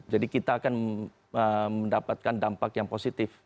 jadi kita akan mendapatkan dampak yang positif